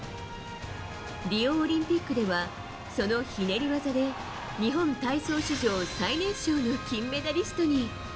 リオオリンピックではそのひねり技で日本体操史上最年少の金メダリストに。